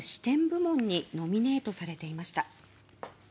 部門にノミネートされていました。